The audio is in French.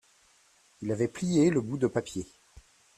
il avait plié le bout de papier.